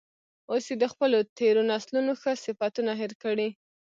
اوس یې د خپلو تیرو نسلونو ښه صفتونه هیر کړي.